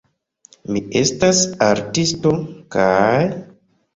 Mi estas artisto, kaj...